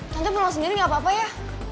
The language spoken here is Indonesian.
tante pulang sendiri gak apa apa ya